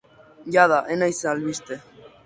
Jada ez naiz albiste.